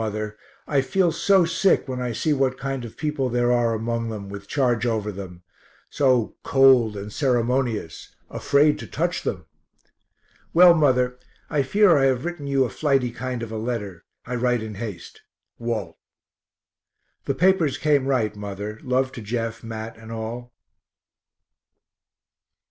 Mother, I feel so sick when I see what kind of people there are among them, with charge over them so cold and ceremonious, afraid to touch them. Well, mother, I fear I have written you a flighty kind of a letter I write in haste. WALT. The papers came right, mother love to Jeff, Mat, and all.